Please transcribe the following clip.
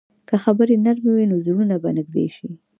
که خبرې نرمې وي، نو زړونه به نږدې شي.